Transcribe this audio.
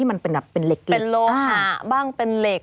บ้างเป็นเหล็ก